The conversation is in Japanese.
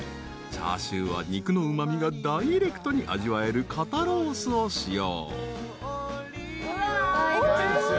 ［チャーシューは肉のうま味がダイレクトに味わえる肩ロースを使用］